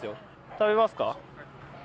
食べますか？